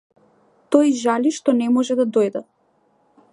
Тој жали што не може да дојде.